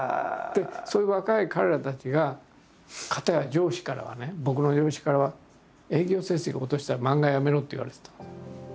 でそういう若い彼らたちがかたや上司からはね僕の上司からは「営業成績落としたら漫画やめろ」って言われてた。